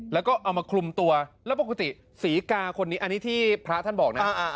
แล้วก็เอามาคลุมตัวแล้วปกติศรีกาคนนี้อันนี้ที่พระท่านบอกนะ